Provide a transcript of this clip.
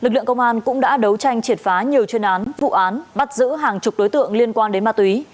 lực lượng công an cũng đã đấu tranh triệt phá nhiều chuyên án vụ án bắt giữ hàng chục đối tượng liên quan đến ma túy